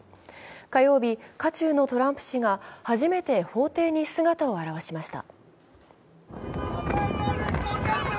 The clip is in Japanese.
火曜日、渦中のトランプ氏が初めて法廷に姿を現しました。